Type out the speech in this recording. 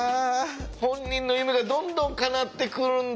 本人の夢がどんどんかなってくるんだ。